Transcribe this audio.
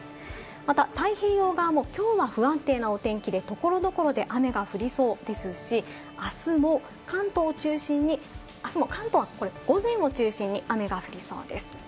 また、太平洋側もきょうは不安定なお天気で所々で雨が降りそうですし、あすも関東を中心に、雨が降りそうです。